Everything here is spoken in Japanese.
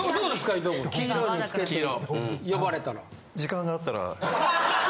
伊藤くん黄色いのつけて呼ばれたら。